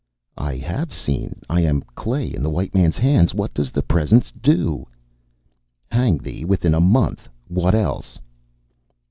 "I have seen. I am clay in the white man's hands. What does the presence do?" "Hang thee within a month! What else?"